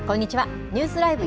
ニュースＬＩＶＥ！